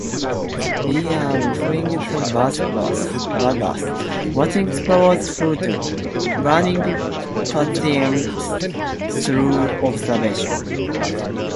We're refilling the birdbath, watching sparrows flutter, learning patience through observation.